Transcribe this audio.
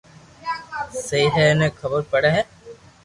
سھي ھي ني خبر پڙي ھي